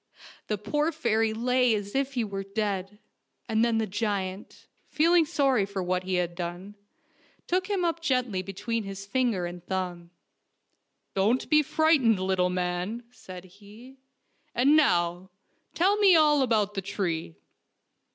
The poor fairy lay as if he were dead, and then the giant, feeling sorry for what he had done, took him up gently between his finger and thumb. " Don't be frightened, little man,'' said he, " and now, tell me all about the tree."